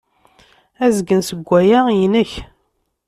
Azgen seg waya inek.